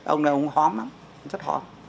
ông này ông hóm lắm rất hóm